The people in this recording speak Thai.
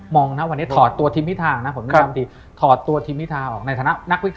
มองนะวันนี้ถอดตัวทีมพิธางนะครับ